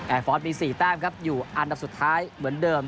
ฟอร์สมี๔แต้มครับอยู่อันดับสุดท้ายเหมือนเดิม